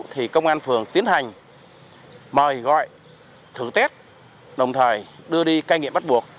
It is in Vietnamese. thì công an phường tiến hành mời gọi thử test đồng thời đưa đi ca nghiệm bắt buộc